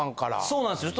そうなんですよ